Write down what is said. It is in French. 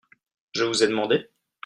Je vous ai demandé ?